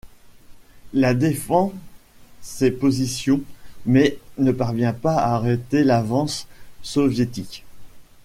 La défend ses positions mais ne parvient pas à arrêter l'avance soviétique.